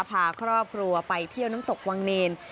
พาครอบครัวไปเที่ยวน้ำตกวังเนร